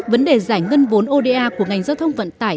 vấn đề giải ngân vốn oda của ngành giao thông vận tải